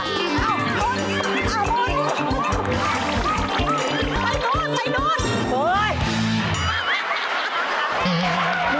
ไปนู้น